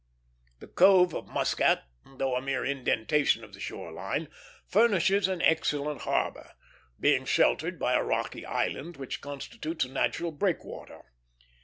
The Cove of Muscat, though a mere indentation of the shore line, furnishes an excellent harbor, being sheltered by a rocky island which constitutes a natural breakwater.